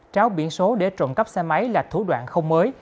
tráo biển số để trộn cắp xe máy là thủ đoạn không mới